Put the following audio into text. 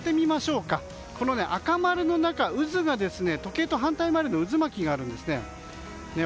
赤丸の中、渦が時計と反対回りの渦巻きがあるんです。